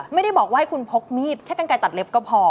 ไม่ได้บอกว่าให้คุณพกมีดแค่กันไกลตัดเล็บก็พอ